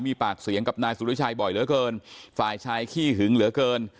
มีปากเสียงกับนายสุริชัยบ่อยเหลือเกินฝ่ายชายขี้หึงเหลือเกิน